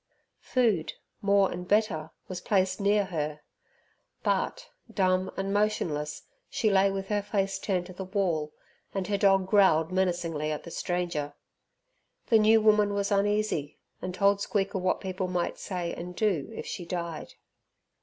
Food, more and better, was placed near her but, dumb and motionless, she lay with her face turned to the wall, and her dog growled menacingly at the stranger. The new woman was uneasy, and told Squeaker what people might say and do if she died.